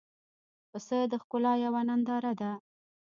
پسه د ښکلا یوه ننداره ده.